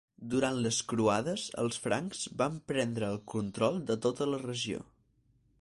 Durant les croades, els francs van prendre el control de tota la regió.